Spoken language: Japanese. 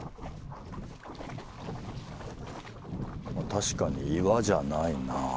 確かに岩じゃないな。